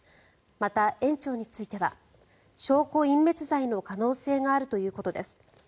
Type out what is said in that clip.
また、園長については証拠隠滅罪の可能性があるということです。